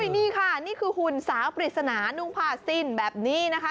นี่ค่ะนี่คือหุ่นสาวปริศนานุ่งผ้าสิ้นแบบนี้นะคะ